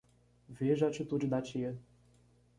Veja a atitude da tia